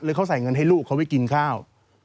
เขาใส่เงินให้ลูกเขาไปกินข้าว